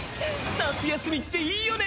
夏休みっていいよね！